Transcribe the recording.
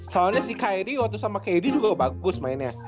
soalnya si kri waktu sama kd juga bagus mainnya